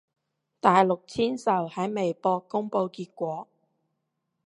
大陸簽售喺微博公佈結果